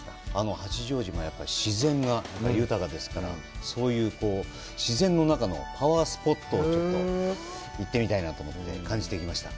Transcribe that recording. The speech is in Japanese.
八丈島、やっぱり自然が豊かですから、そういう自然の中のパワースポットをちょっと行ってみたいなと思って、感じてきました。